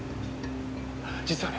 実はね